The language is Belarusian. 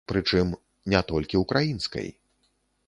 Прычым, не толькі украінскай.